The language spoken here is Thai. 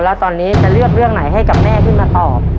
แล้วตอนนี้จะเลือกเรื่องไหนให้กับแม่ขึ้นมาตอบ